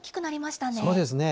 そうですね。